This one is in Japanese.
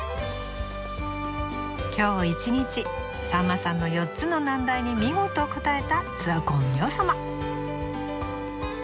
今日一日さんまさんの４つの難題に見事応えたツアコン洋さま。